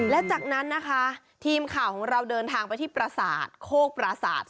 และจากนั้นนะคะทีมข่าวของเราเดินทางไปที่ประสาทโคกปราศาสตร์